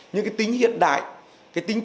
những tính hiện đại tính